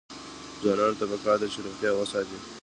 ځوانانو ته پکار ده چې، روغتیا وساتي.